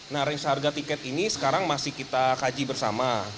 nah range harga tiket ini sekarang masih kita kaji bersama